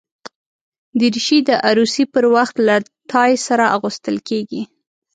دریشي د عروسي پر وخت له ټای سره اغوستل کېږي.